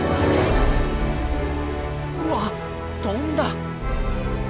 うわっ飛んだ！